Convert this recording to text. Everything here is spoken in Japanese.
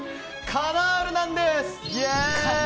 カナールなんです！